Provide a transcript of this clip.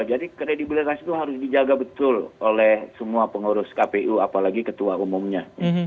jadi kredibilitas itu harus dijaga betul oleh semua pengurus kpu apalagi ketua umumnya